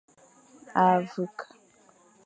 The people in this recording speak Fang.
A vek.